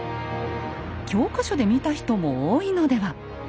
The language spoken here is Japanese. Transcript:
教科書で見た人も多いのでは。